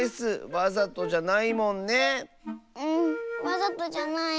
うんわざとじゃない。